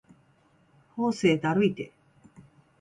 法政だるいて